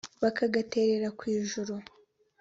bakagaterera kw’ijuru